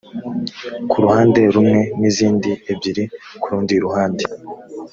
ku ruhande rumwe n izindi ebyiri ku rundi ruhande